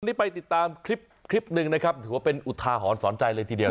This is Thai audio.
วันนี้ไปติดตามคลิปคลิปหนึ่งนะครับถือว่าเป็นอุทาหรณ์สอนใจเลยทีเดียว